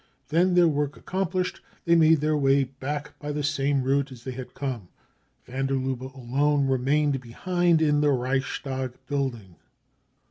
Then, their work accomplished, they made their way back by the same route as they had come. Van der Lubbe alone remained behind in the Reichstag building.